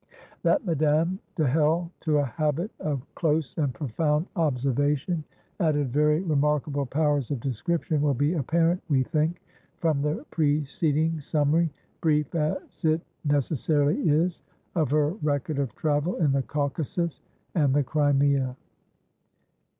That Madame de Hell to a habit of close and profound observation, added very remarkable powers of description, will be apparent, we think, from the preceding summary, brief as it necessarily is, of her record of travel in the Caucasus and the Crimea.